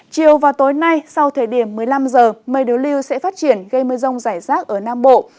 chiều và tối nay sau thời điểm một mươi năm giờ mây đối lưu sẽ phát triển gây mưa rông rải rác ở nam bộ